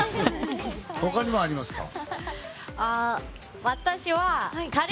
他にもありますか？